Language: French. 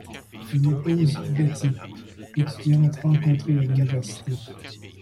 Il épouse Betty, étudiante rencontrée à l'université.